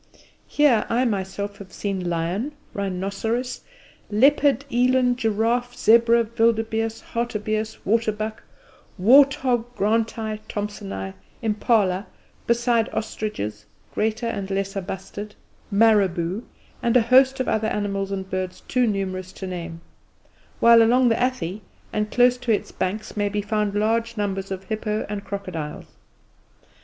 Here I myself have seen lion, rhinoceros, leopard, eland, giraffe, zebra, wildebeeste, hartebeeste, waterbuck, wart hog, Granti, Thomsoni, impala, besides ostriches, greater and lesser bustard, marabout, and a host of other animals and birds too numerous to name; while along the Athi and close to its banks may be found large numbers of hippo and crocodiles.